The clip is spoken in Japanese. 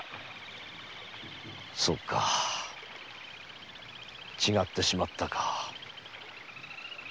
そうか違ってしまったか。